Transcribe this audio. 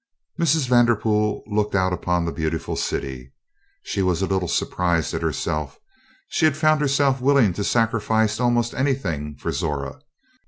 Mrs. Vanderpool looked out upon the beautiful city. She was a little surprised at herself. She had found herself willing to sacrifice almost anything for Zora.